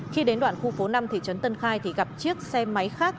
khi đến đoạn khu phố năm thị trấn tân khai thì gặp chiếc xe máy khác